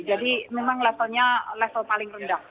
jadi memang levelnya level paling rendah